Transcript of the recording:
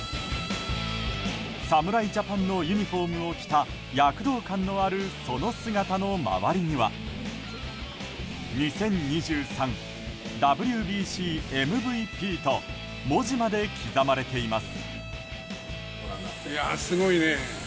侍ジャパンのユニホームを着た躍動感のあるその姿の周りには「２０２３ＷＢＣＭＶＰ」と文字まで刻まれています。